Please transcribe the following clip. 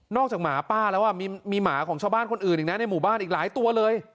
หมาป้าแล้วมีหมาของชาวบ้านคนอื่นอีกนะในหมู่บ้านอีกหลายตัวเลย